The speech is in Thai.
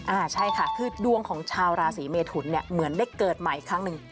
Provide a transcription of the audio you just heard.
อ่าใช่ค่ะคือดวงของชาวราศีเมทุนเนี่ยเหมือนได้เกิดใหม่อีกครั้งหนึ่ง